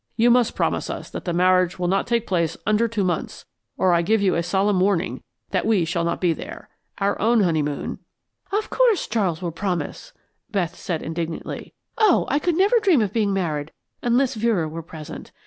You must promise us that the marriage will not take place under two months, or I give you a solemn warning that we shall not be there. Our own honeymoon " "Of course Charles will promise," Beth said, indignantly. "Oh, I could never dream of being married unless Vera were present.